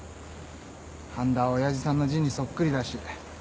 半田は親父さんの字にそっくりだし。